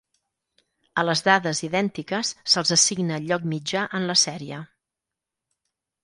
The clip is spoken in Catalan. A les dades idèntiques se'ls assigna el lloc mitjà en la sèrie.